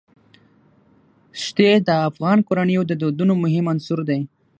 ښتې د افغان کورنیو د دودونو مهم عنصر دی.